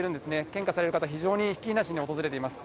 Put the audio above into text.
献花される方、非常にひっきりなしに訪れています。